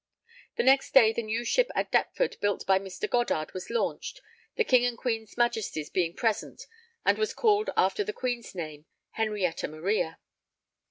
_ _The next day the new ship at Deptford built by Mr. Goddard was launched, the King and Queen's Majesties being present, and was called after the Queen's name, Henrietta Maria.